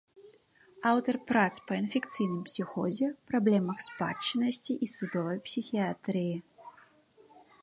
Аўтар прац па інфекцыйным псіхозе, праблемах спадчыннасці і судовай псіхіятрыі.